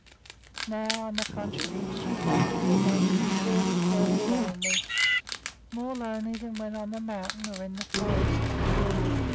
Now, on the contrary, she felt all at once very, very lonely, more lonely than when on the mountain or in the forest.